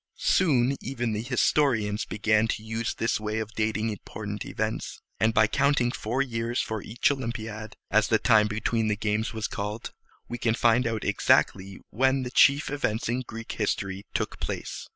Soon even the historians began to use this way of dating important events; and by counting four years for each Olympiad, as the time between the games was called, we can find out exactly when the chief events in Greek history took place.